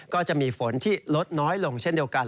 ก็จะมีฝนที่ลดน้อยลงเช่นเดียวกัน